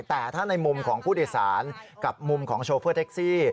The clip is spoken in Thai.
แต่ถ้าในมุมของผู้โดยสารกับมุมของโชเฟอร์แท็กซี่